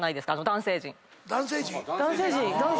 男性陣。